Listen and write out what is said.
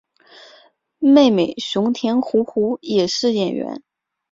妹妹熊田胡胡也是演员。